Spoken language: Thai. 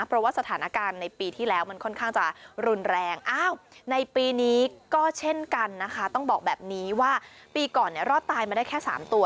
เพราะว่าสถานการณ์ในปีที่แล้วมันค่อนข้างจะรุนแรงอ้าวในปีนี้ก็เช่นกันนะคะต้องบอกแบบนี้ว่าปีก่อนเนี่ยรอดตายมาได้แค่๓ตัว